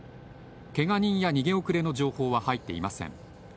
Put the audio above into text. けが人や逃げ遅れの情報は入っていません。